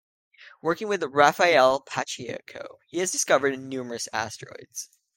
Working with Rafael Pacheco, he has discovered numerous asteroids.